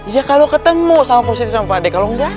ya kalau ketemu sama positi sama pade kalau nggak